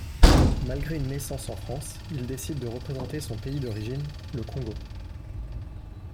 Malgré une naissance en France, il décide de représenter son pays d'origine, le Congo.